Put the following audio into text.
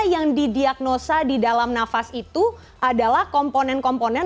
yang didiagnosa di dalam nafas itu adalah komponen komponen